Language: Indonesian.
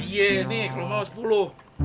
iya nih kalau mau sepuluh